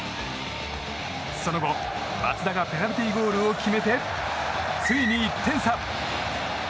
その後、松田がペナルティーゴールを決めてついに１点差。